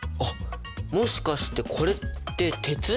もしかしてこれって鉄？